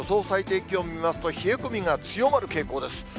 最低気温見ますと、冷え込みが強まる傾向です。